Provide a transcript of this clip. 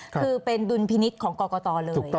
คือเป็นดุลพินิษฐ์ของกรกตเลย